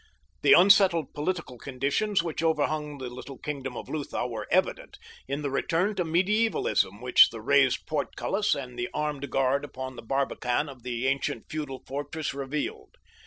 The unsettled political conditions which overhung the little kingdom of Lutha were evident in the return to medievalism which the raised portcullis and the armed guard upon the barbican of the ancient feudal fortress revealed.